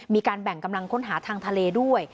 มีการแบ่งกำลังค้นหาทางทะเลด้วย